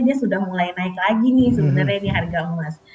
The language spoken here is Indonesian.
dia sudah mulai naik lagi nih sebenarnya ini harga emas